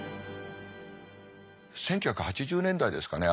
１９８０年代ですかね